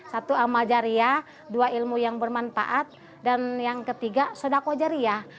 satu alma jariah dua ilmu yang bermanfaat dan yang ketiga sodako jariah